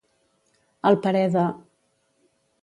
Al parer de.